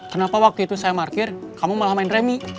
kenapa waktu itu saya markir kamu malah main remi